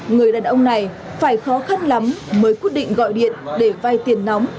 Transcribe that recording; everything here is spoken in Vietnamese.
người đàn ông này phải khó khăn lắm mới quyết định gọi điện để vay tiền nóng